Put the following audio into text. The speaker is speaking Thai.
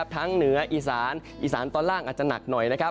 ทั้งเหนืออีสานอีสานตอนล่างอาจจะหนักหน่อย